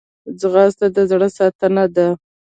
ځغاسته د زړه ساتنه ده